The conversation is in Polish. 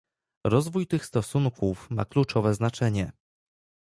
Rozwój tych stosunków ma kluczowe znaczenie